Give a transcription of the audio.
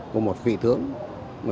của một vị đại tướng võ nguyên giáp